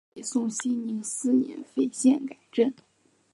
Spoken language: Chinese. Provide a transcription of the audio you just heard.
北宋熙宁四年废县改镇。